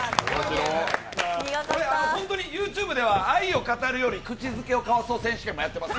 ＹｏｕＴｕｂｅでは「愛を語るより口づけをかわそう」もやってます。